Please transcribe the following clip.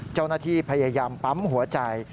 เจ้าหน้าที่พยายามปั๊มหัวใจ